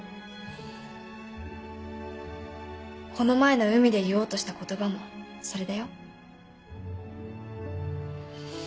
この前の海で言おうとした言葉もそれだよ。